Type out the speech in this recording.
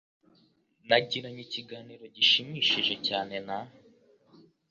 Nagiranye ikiganiro gishimishije cyane na .